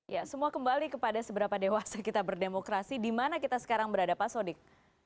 ya semua kembali kepada seberapa dewasa kita berdemokrasi di mana kita sekarang berada pak sodik